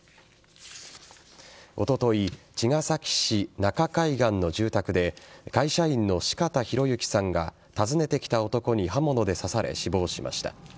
おととい茅ヶ崎市中海岸の住宅で会社員の四方洋行さんが訪ねてきた男に刃物で刺され死亡しました。